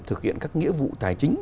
thực hiện các nghĩa vụ tài chính